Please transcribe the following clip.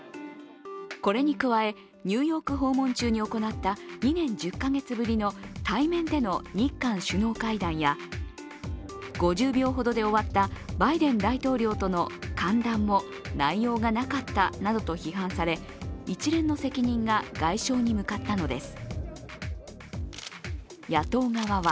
これに加え、ニューヨーク訪問中に行った２年１０カ月ぶりの対面での日韓首脳会談や５０秒ほどで終わったバイデン大統領との歓談も、内容がなかったなどと批判され、一連の責任が外相に向かったのです。